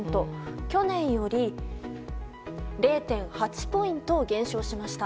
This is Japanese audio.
去年より０．８ポイント減少しました。